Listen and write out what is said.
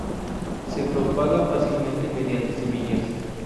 Se propaga fácilmente mediante semillas.